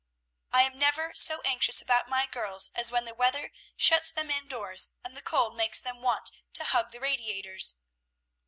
"I am never so anxious about my girls as when the weather shuts them in doors, and the cold makes them want to hug the radiators."